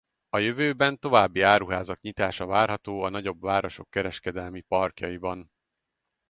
A jövőben további áruházak nyitása várható a nagyobb városok kereskedelmi parkjaiban.